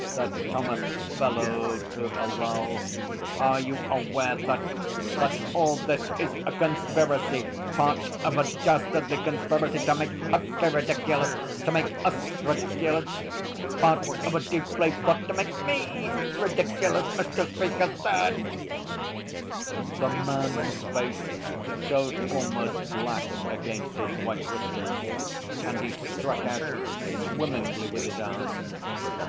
Sir Thomas bellowed through a lull, 'are you aware that that all this is a conspiracy part of a dastardly conspiracy to make Huckley ridiculous to make us ridiculous? Part of a deep laid plot to make me ridiculous, Mr. Speaker, Sir!' The man's face showed almost black against his white whiskers, and he struck out swimmingly with his arms.